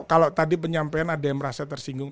kalau tadi penyampaian ada yang merasa tersinggung